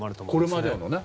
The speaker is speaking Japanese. これまでのね。